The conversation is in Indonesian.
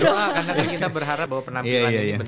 karena kita berharap bahwa penampilan